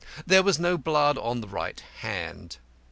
There was no blood on the right hand.